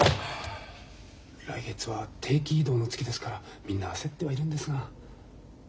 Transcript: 来月は定期異動の月ですからみんな焦ってはいるんですが。